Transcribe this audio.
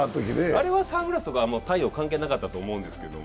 あれはサングラスとか太陽は関係ないと思いますけど。